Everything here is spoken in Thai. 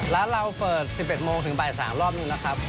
ร้านเราเปิด๑๑โมงถึงบ่าย๓รอบนี่นะครับ